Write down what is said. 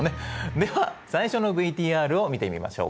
では最初のＶＴＲを見てみましょう。